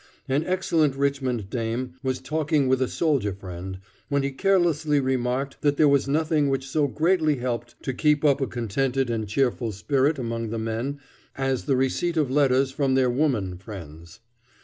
An excellent Richmond dame was talking with a soldier friend, when he carelessly remarked that there was nothing which so greatly helped to keep up a contented and cheerful spirit among the men as the receipt of letters from their woman friends.